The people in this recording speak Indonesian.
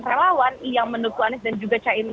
relawan yang mendukung anies dan juga caimin